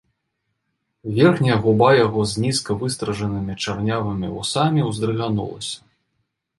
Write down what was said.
Верхняя губа яго з нізка выстрыжанымі чарнявымі вусамі ўздрыганулася.